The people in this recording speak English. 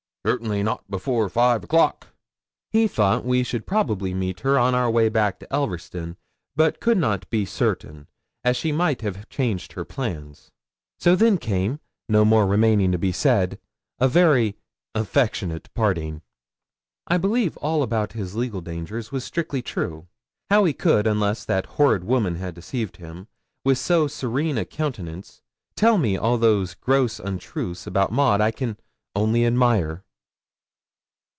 '"Certainly not before five o'clock." He thought we should probably meet her on our way back to Elverston; but could not be certain, as she might have changed her plans. 'So then came no more remaining to be said a very affectionate parting. I believe all about his legal dangers was strictly true. How he could, unless that horrid woman had deceived him, with so serene a countenance tell me all those gross untruths about Maud, I can only admire.'